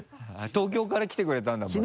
東京から来てくれたんだもんね。